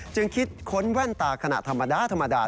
จึงคิดค้นแว่นตาขณะธรรมดาธรรมดา